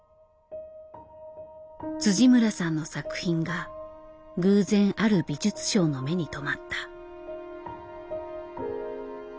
村さんの作品が偶然ある美術商の目に留まった。